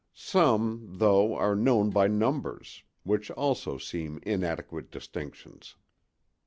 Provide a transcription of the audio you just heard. Some, though, are known by numbers, which also seem inadequate distinctions.